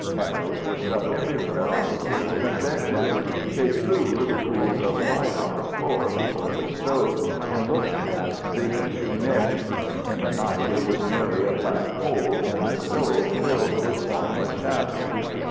Candles were stuck everywhere on the tables and benches. They threw little pools of light on the floor before the stove and looked at the empty niche. In the night it was merely a black hole in the stove filled with formless shadow.